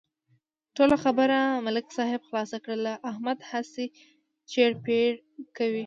ټوله خبره ملک صاحب خلاصه کړله، احمد هسې چېړ پېړ کوي.